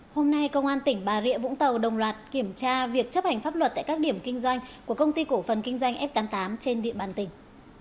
hôm nay công an tỉnh bà rịa vũng tàu đồng loạt kiểm tra việc chấp hành pháp luật tại các điểm kinh doanh của công ty cổ phần kinh doanh f tám mươi tám trên địa bàn tỉnh